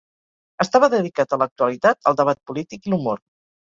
Estava dedicat a l'actualitat, el debat polític i l'humor.